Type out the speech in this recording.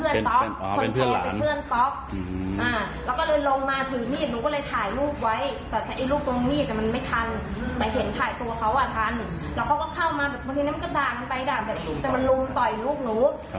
คุณก็ไม่รู้ที่หนูกระชากดูหนู